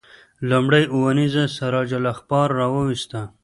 لومړۍ اونیزه سراج الاخبار راوویسته.